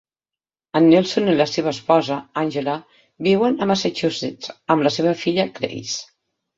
En Nelson i la seva esposa, Angela, viuen a Massachusetts amb la seva filla, Grace.